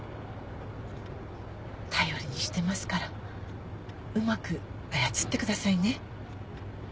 頼りにしてますからうまく操ってくださいね。